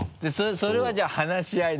それはじゃあ話し合い。